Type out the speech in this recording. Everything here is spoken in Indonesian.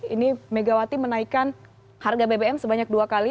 ini megawati menaikkan harga bbm sebanyak dua kali